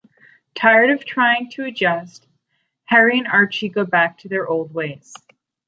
Tired of trying to adjust, Harry and Archie go back to their old ways.